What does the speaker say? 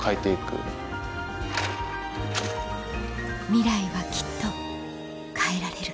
ミライはきっと変えられる